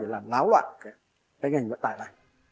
để làm ngáo loạn cái ngành vận tải này